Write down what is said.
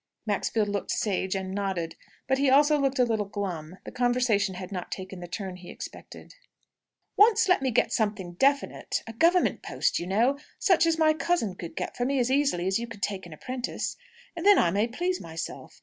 Maxfield looked sage, and nodded. But he also looked a little glum. The conversation had not taken the turn he expected. "Once let me get something definite a Government post, you know, such as my cousin could get for me as easily as you could take an apprentice and then I may please myself.